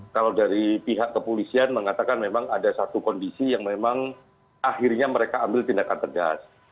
kalau dari pihak kepolisian mengatakan memang ada satu kondisi yang memang akhirnya mereka ambil tindakan tegas